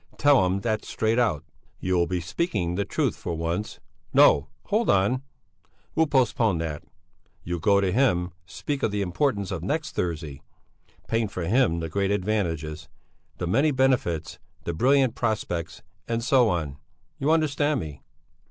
Tell him that straight out; you'll be speaking the truth for once! No! Hold on! We'll postpone that! You'll go to him, speak of the importance of next Thursday; paint for him the great advantages, the many benefits, the brilliant prospects, and so on. You understand me!"